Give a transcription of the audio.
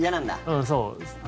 うん、そうです。